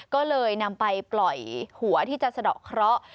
ก็เลยนำไปปล่อยหัวที่จะสะดอกเคราะห์